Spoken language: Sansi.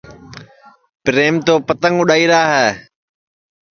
پِریم تو پتنٚگ اُڈؔائیرا ہے